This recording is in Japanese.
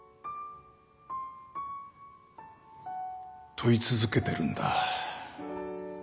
問い続けてるんだ。